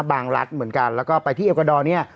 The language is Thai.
รัฐเหมือนกันแล้วก็ไปที่เอลกอดอร์เนี่ย